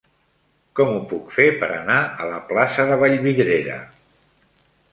Com ho puc fer per anar a la plaça de Vallvidrera?